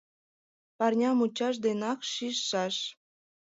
Парня мучаш денак шижшаш.